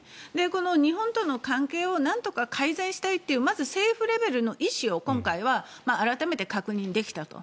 この日本との関係をなんとか改善したいというまず政府レベルの意思を今回は改めて確認できたと。